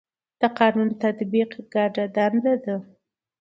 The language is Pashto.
د قانون تطبیق ګډه دنده ده